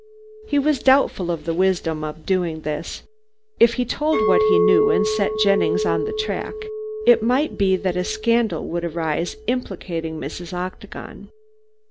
He was doubtful of the wisdom of doing this. If he told what he knew, and set Jennings on the track, it might be that a scandal would arise implicating Mrs. Octagon.